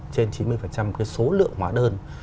trên chín mươi cái số lượng hóa đơn